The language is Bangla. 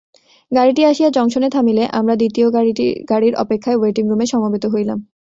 গাড়িটি আসিয়া জংশনে থামিলে আমরা দ্বিতীয় গাড়ির অপেক্ষায় ওয়েটিংরুমে সমবেত হইলাম।